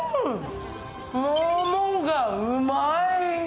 桃がうまい。